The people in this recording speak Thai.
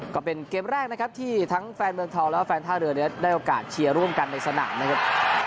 ก็เป็นเกมแรกนะครับที่ทั้งแฟนเมืองทองแล้วก็แฟนท่าเรือได้โอกาสเชียร์ร่วมกันในสนามนะครับ